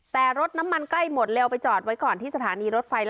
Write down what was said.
แต่รถน้ำมันใกล้หมดเร็วไปจอดไว้ก่อนที่สถานีรถไฟ